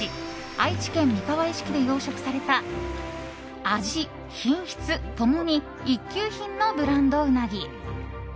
愛知県三河一色で養殖された味、品質ともに一級品のブランドうなぎ。